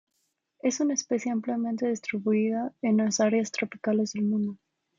Es una especie ampliamente distribuida en las áreas tropicales del mundo.